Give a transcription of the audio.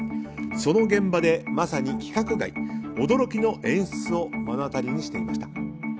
その現場でまさに規格外、驚きの演出を目の当たりにしていました。